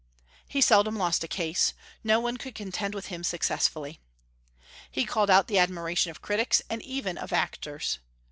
He seldom lost a case; no one could contend with him successfully. He called out the admiration of critics, and even of actors.